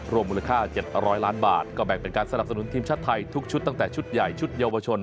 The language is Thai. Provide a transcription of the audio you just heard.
มูลค่า๗๐๐ล้านบาทก็แบ่งเป็นการสนับสนุนทีมชาติไทยทุกชุดตั้งแต่ชุดใหญ่ชุดเยาวชน